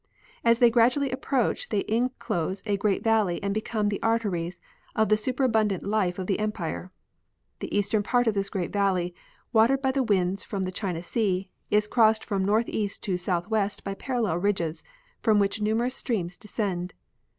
As they gradually approach, they inclose a great valley and become the arteries of the superabundant life of the empire. The eastern part of this great valley, watered by the winds from the China sea, is crossed from northeast to southwest by parallel ridges, from which numerous streams descend.